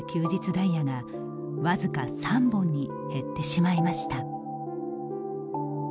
ダイヤが僅か３本に減ってしまいました。